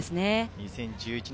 ２０１１年